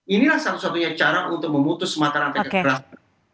inilah satu satunya cara untuk memutus mata rantai kekerasan